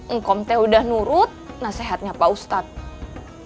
engkau itu sudah menurut nasihatnya pak ustadz